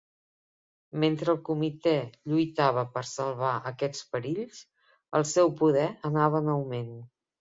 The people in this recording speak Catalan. Mentre el Comitè lluitava per salvar aquests perills, el seu poder anava en augment.